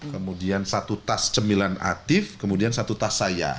kemudian satu tas cemilan atif kemudian satu tas saya